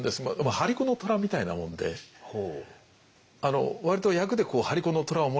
張り子の虎みたいなもので割と役で張り子の虎をもらうじゃないですか。